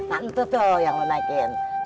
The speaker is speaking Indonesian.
tante tuh yang lo naikin